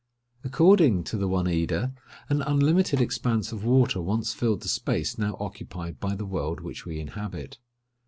According to the Oneida, an unlimited expanse of water once filled the space now occupied by the world which we inhabit.